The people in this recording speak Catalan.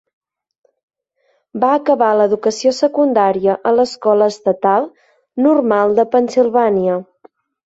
Va acabar l'educació secundària a l'escola estatal Normal de Pennsilvània.